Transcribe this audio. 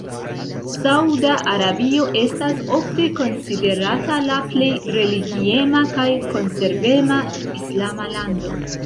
Sauda Arabio estas ofte konsiderata la plej religiema kaj konservema islama lando.